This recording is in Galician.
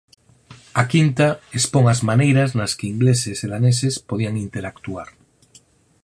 A quinta expón as maneiras nas que ingleses e daneses podían interactuar.